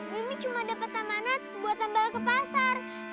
mimi cuma dapat tamanan buat tambal ke pasar